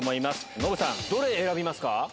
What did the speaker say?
ノブさん、どれ選びますか？